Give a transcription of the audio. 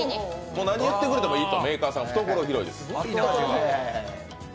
何言ってくれてもいいと、メーカーさん、懐広い。